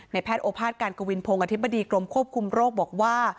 แพทย์โอภาษการกวินพงศ์อธิบดีกรมควบคุมโรคบอกว่า